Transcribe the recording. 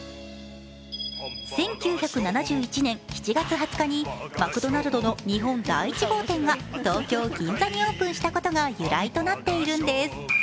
１９７１年７月２０日にマクドナルドの日本第１号店が東京・銀座にオープンしたことが由来となっているんです。